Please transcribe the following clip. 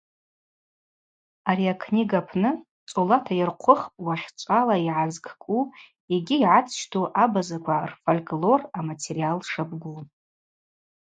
Ари акнига апны цӏолата йырхъвыхпӏ уахьчӏвала йгӏазкӏкӏу йгьи йгӏацӏщту абазаква рфольклор аматериал шабгу.